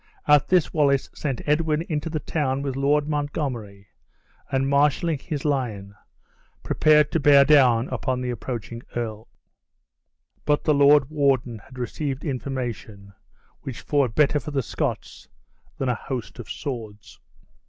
At this sight Wallace sent Edwin into the town with Lord Montgomery, and marshaling his line, prepared to bear down upon the approaching earl. But the lord warden had received information which fought better for the Scots than a host of swords.